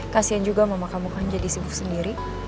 kasian juga mama kamu kan jadi sibuk sendiri